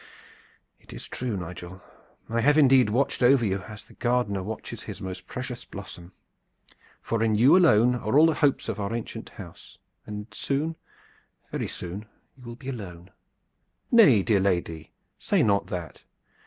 "It is true, Nigel. I have indeed watched over you as the gardener watches his most precious blossom, for in you alone are all the hopes of our ancient house, and soon very soon you will be alone." "Nay, dear lady, say not that."